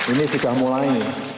ini sudah mulai